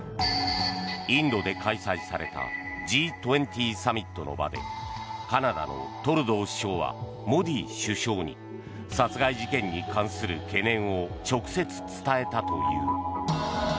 インドで開催されたＧ２０サミットの場でカナダのトルドー首相はモディ首相に殺害事件に関する懸念を直接伝えたという。